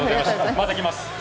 また来ます。